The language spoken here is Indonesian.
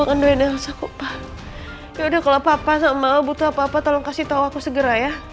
akan doain elsa kopal ya udah kalau papa sama butuh apa apa tolong kasih tahu aku segera ya